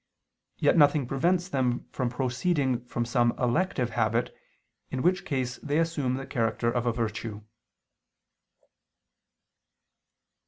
Yet nothing prevents them from proceeding from some elective habit, in which case they assume the character of a virtue.